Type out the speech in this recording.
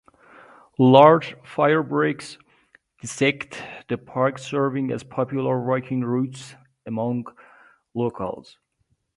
Large fire-breaks dissect the park serving as popular walking routes among locals.